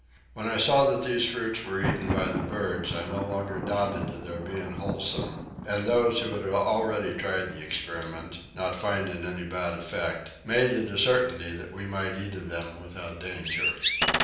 When I saw that these fruits were eaten by the birds I no longer doubted of their being wholesome, and those who had already tried the experiment, not finding any bad effect, made it a certainty that we might eat of them without danger.